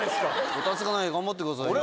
『コタツがない家』頑張ってくださいよ。